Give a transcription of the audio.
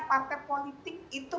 partai politik itu